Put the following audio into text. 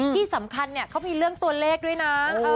ที่สำคัญเนี่ยเขามีเรื่องตัวเลขด้วยนะ